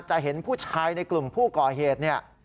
จะเห็นผู้ชายในกลุ่มผู้ก่อเหตุเนี่ย